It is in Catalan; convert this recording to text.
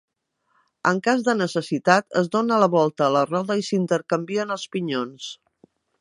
En cas de necessitat, es dóna la volta a la roda i s'intercanvien els pinyons.